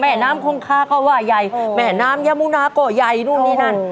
แม่น้ำคงคากว่ายัยแม่น้ำยามูนาก่อยัยนู่นนี่นั่น